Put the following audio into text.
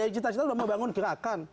cita cita sudah membangun gerakan